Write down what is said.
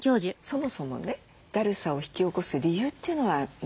そもそもねだるさを引き起こす理由というのは何なんでしょう？